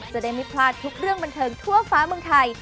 จะได้ไม่พลาดทุกเรื่องบันเทิงทั่วฟ้าเมืองไทย